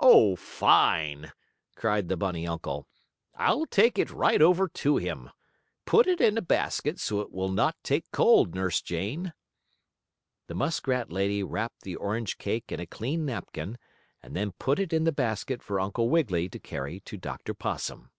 Oh, fine!" cried the bunny uncle. "I'll take it right over to him. Put it in a basket, so it will not take cold, Nurse Jane." The muskrat lady wrapped the orange cake in a clean napkin, and then put it in the basket for Uncle Wiggily to carry to Dr. Possum.